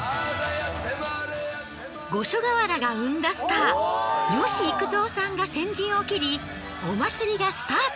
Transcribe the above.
五所川原が生んだスター吉幾三さんが先陣を切りお祭りがスタート。